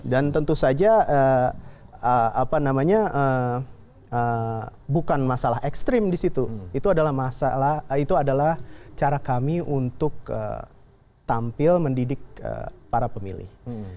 dan tentu saja apa namanya bukan masalah ekstrim di situ itu adalah cara kami untuk tampil mendidik para pemilih